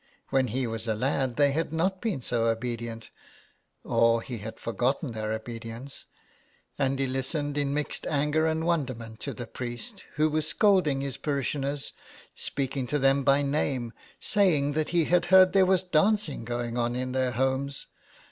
When he was a lad they had not been so obedient, or he had forgotten their obedience ; and he listened in mixed anger and wonderment to the priest, who was scolding his parishioners, speaking to them by name, saying that he had heard there was dancing going on in their homes.